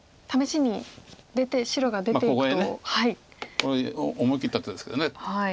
これ思い切った手ですけど。